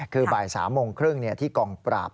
คือบ่าย๓โมงครึ่งที่กองปราบ